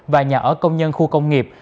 và nhà ở công nhân khu công nghiệp